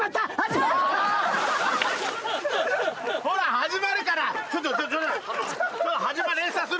ほらはじまるから。